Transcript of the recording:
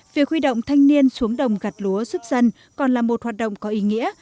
việc huy động thanh niên xuống đồng gặt lúa giúp dân còn là một hoạt động có ý nghĩa